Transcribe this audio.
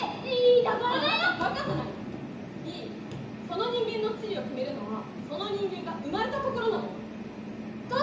その人間の地位を決めるのはその人間が生まれた所なのよ。